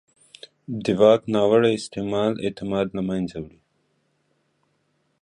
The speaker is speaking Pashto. د واک ناوړه استعمال اعتماد له منځه وړي